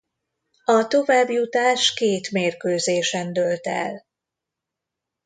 A továbbjutás két mérkőzésen dőlt el.